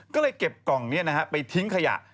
ก็เลยเก็บกล่องนี้ไปทิ้งขยะ